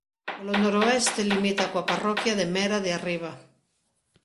Polo noroeste limita coa parroquia de Mera de Arriba.